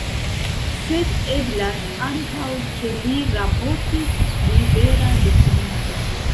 Sed eblas ankaŭ ke li raportis pri vera dokumento.